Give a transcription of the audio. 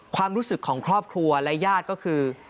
ความรู้สึกของครอบครัวและญาติก็คือ